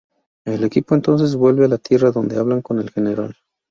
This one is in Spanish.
El equipo entonces vuelve a la Tierra, donde hablan con el Gral.